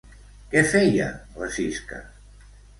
Què feia la Sisca?